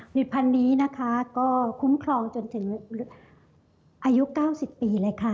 ผลิตภัณฑ์นี้นะคะก็คุ้มครองจนถึงอายุ๙๐ปีเลยค่ะ